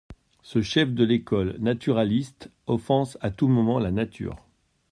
Ce chef de l'école naturaliste offense à tout moment la nature.